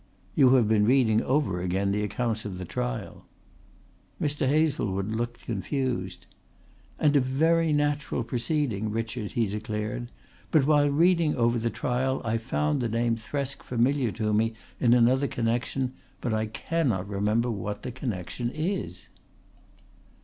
"You have been reading over again the accounts of the trial." Mr. Hazlewood looked confused. "And a very natural proceeding, Richard," he declared. "But while reading over the trial I found the name Thresk familiar to me in another connection, but I cannot remember what the connection is."